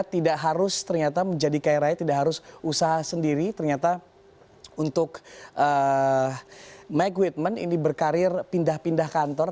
tidak harus ternyata menjadi kaya raya tidak harus usaha sendiri ternyata untuk mic withment ini berkarir pindah pindah kantor